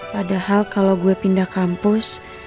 padahal kalau gue pindah kampus